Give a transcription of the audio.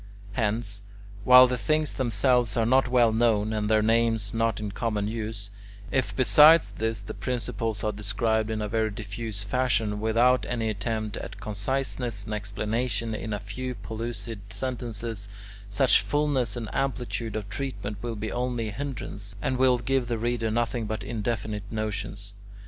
Hence, while the things themselves are not well known, and their names not in common use, if besides this the principles are described in a very diffuse fashion without any attempt at conciseness and explanation in a few pellucid sentences, such fullness and amplitude of treatment will be only a hindrance, and will give the reader nothing but indefinite notions.